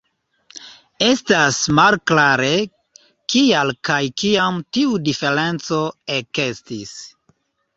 Estas malklare, kial kaj kiam tiu diferenco ekestis.